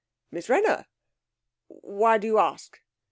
'Miss Wrenner? Why do you ask?'